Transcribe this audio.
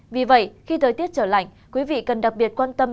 vì vậy khi thời tiết trở lạnh quý vị cần đặc biệt quan tâm